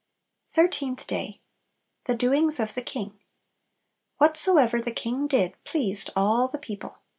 Thirteenth Day. The Doings of the King. "Whatsoever the king did pleased all the people."